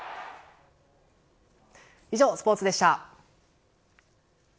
以上、スポーツでした。